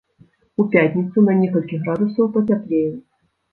У пятніцу на некалькі градусаў пацяплее.